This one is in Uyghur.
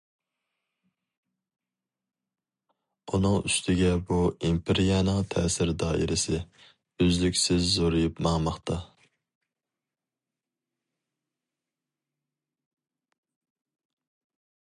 ئۇنىڭ ئۈستىگە بۇ ئىمپېرىيەنىڭ« تەسىر دائىرىسى» ئۈزلۈكسىز زورىيىپ ماڭماقتا.